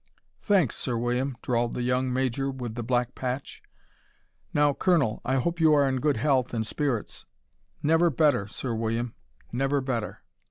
"Thanks, Sir William," drawled the young major with the black patch. "Now, Colonel I hope you are in good health and spirits." "Never better, Sir William, never better."